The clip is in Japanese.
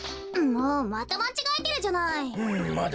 もうまたまちがえてるじゃない。